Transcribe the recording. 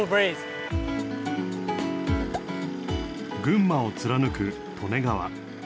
群馬を貫く利根川。